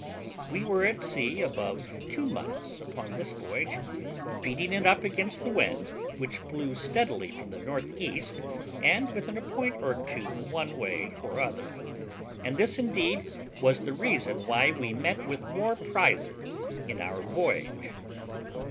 We were at sea above two months upon this voyage, beating it up against the wind, which blew steadily from the N.E., and within a point or two one way or other; and this indeed was the reason why we met with the more prizes in our voyage.